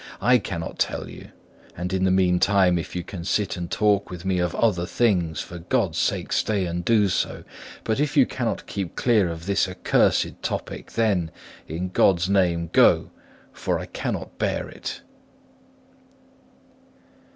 I cannot tell you. And in the meantime, if you can sit and talk with me of other things, for God's sake, stay and do so; but if you cannot keep clear of this accursed topic, then in God's name, go, for I cannot bear it."